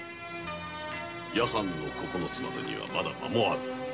夜半の「九つ」までには間がある。